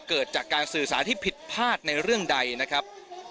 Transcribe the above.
เกิดจากการสื่อสารที่ผิดพลาดในเรื่องใดนะครับ